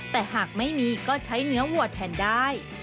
แต่หากไม่มีก็ใช้เนื้อวัวแทนได้